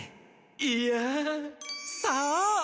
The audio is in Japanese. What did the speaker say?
いや。さあ！